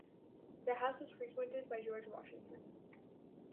The house was frequented by George Washington.